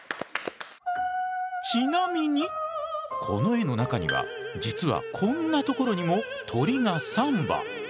ちなみにこの絵の中には実はこんなところにも鳥が３羽。